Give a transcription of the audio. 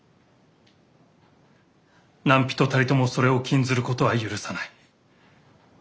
何人たりともそれを禁ずることは許さない」。